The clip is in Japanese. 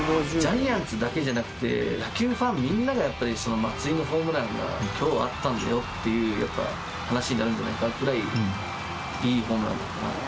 野球ファンみんながやっぱり松井のホームランが今日あったんだよっていう話になるんじゃないかってぐらいいいホームランだったなと。